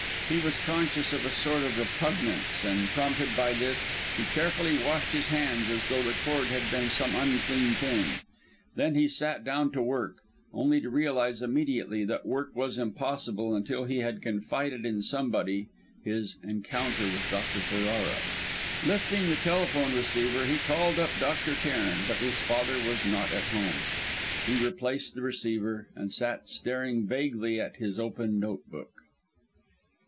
He was conscious of a sort of repugnance; and prompted by this, he carefully washed his hands as though the cord had been some unclean thing. Then, he sat down to work, only to realise immediately, that work was impossible until he had confided in somebody his encounter with Ferrara. Lifting the telephone receiver, he called up Dr. Cairn, but his father was not at home. He replaced the receiver, and sat staring vaguely at his open notebook.